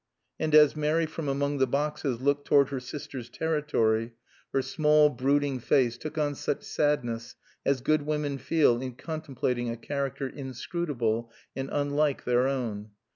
And as Mary from among the boxes looked toward her sister's territory, her small, brooding face took on such sadness as good women feel in contemplating a character inscrutable and unlike their own.